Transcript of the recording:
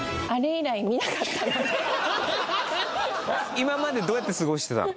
今までどうやって過ごしてたの？